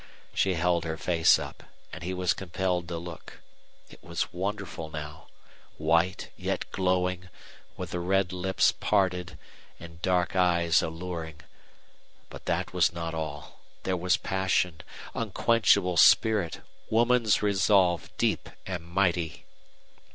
She held her face up, and he was compelled to look. It was wonderful now: white, yet glowing, with the red lips parted, and dark eyes alluring. But that was not all. There was passion, unquenchable spirit, woman's resolve deep and mighty.